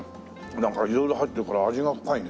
なんか色々入ってるから味が深いね。